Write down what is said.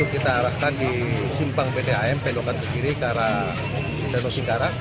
kita arahkan di simpang bdam pelokan kekiri ke arah danau singkarak